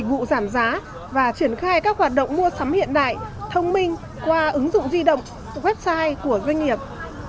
dịch vụ giảm giá và triển khai các hoạt động mua sắm hiện đại thông minh qua ứng dụng di động website của doanh nghiệp